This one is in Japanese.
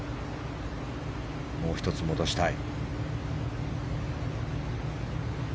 もう１つ戻したい。